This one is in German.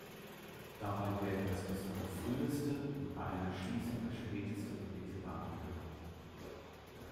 Dabei werden das bislang früheste und bei einer Schließung das späteste belegte Datum genannt.